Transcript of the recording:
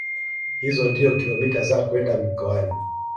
Hizo ndio kilomita za kwenda mikoani